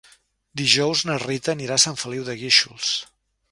Dijous na Rita anirà a Sant Feliu de Guíxols.